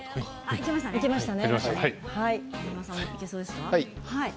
いけましたね。